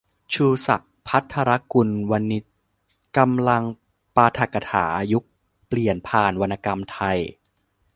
ชูศักดิ์ ภัทรกุลวณิชย์ กำลังปาฐกถา ยุคเปลี่ยนผ่านวรรณกรรมไทย